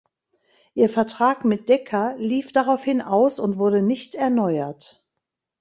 Ihr Vertrag mit Decca lief daraufhin aus und wurde nicht erneuert.